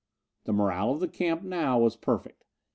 The morale of the camp now was perfect.